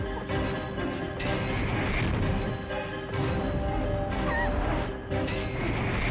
sarpala sarpala kau mendengarku